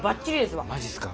マジっすか？